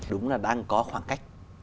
đúng là đang có khoảng cách